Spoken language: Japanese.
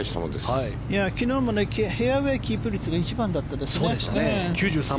昨日もフェアウェーキープ率が一番だったんですね。